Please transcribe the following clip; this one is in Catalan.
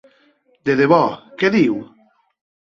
De debò, què diu?